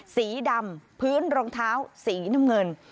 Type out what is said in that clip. สีดำพื้นรองเท้าสีน้ำเงิน